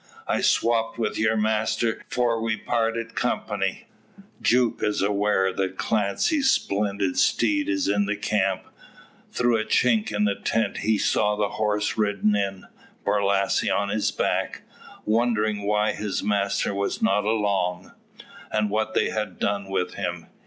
I swopped with your master 'fore we parted company." Jupe is aware that Clancy's splendid steed is in the camp. Through a chink in the tent he saw the horse ridden in, Borlasse on his back; wondering why his master was not along, and what they had done with him.